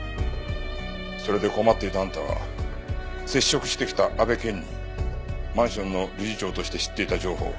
それで困っていたあんたは接触してきた阿部健にマンションの理事長として知っていた情報